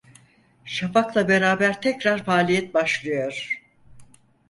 Şafakla beraber tekrar faaliyet başlıyor.